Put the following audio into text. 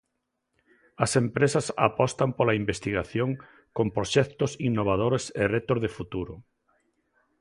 As empresas apostan pola investigación con proxectos innovadores e retos de futuro.